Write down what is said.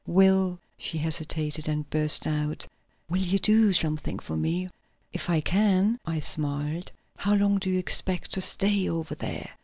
Will " she hesitated, then burst out, "will you do something for me?" "If I can," I smiled. "How long do you expect to stay over there?"